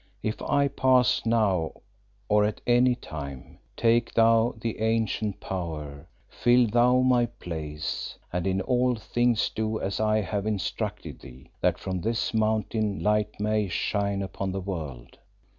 If I pass now or at any time, take thou the ancient power, fill thou my place, and in all things do as I have instructed thee, that from this Mountain light may shine upon the world.